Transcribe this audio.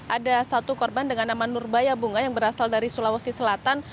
ada satu korban dengan nama nurbaya bunga yang berasal dari sulawesi selatan